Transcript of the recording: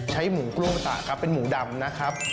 ใช้หมูกลุ้งตะครับเป็นหมูดำนะครับ